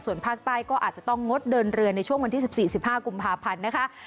ส่วนภาคใต้ก็อาจจะต้องงดเดินเรือในช่วงวันที่๑๔๑๕กุมภาพันธ์นะคะ